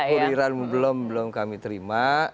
pengkuriran belum kami terima